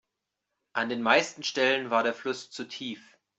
An den meisten Stellen war der Fluss zu tief.